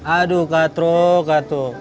aduh kak tro kak tro